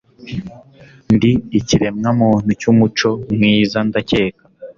Ndi ikiremwamuntu cyumuco mwiza, ndakeka.